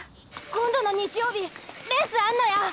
今度の日曜日レースあんのや！